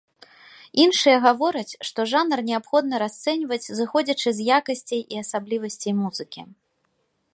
Іншыя гавораць, што жанр неабходна расцэньваць, зыходзячы з якасцей і асаблівасцей музыкі.